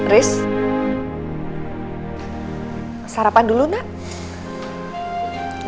riz sarapan dulu nak